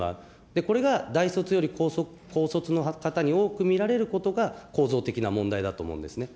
これが大卒より高卒の方に多く見られることが、構造的な問題だと思うんですね。